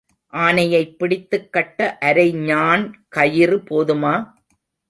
ஆனையைப் பிடித்துக் கட்ட அரை ஞாண் கயிறு போதுமா?